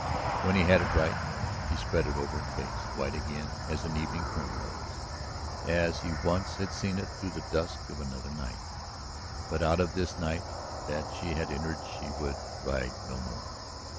When he had it right, he spread it over her face, white again as an evening primrose, as he once had seen it through the dusk of another night. But out of this night that she had entered she would ride no more.